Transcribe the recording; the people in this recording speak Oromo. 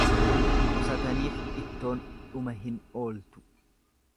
Qusataniif ittoon dhuma hin ooltu.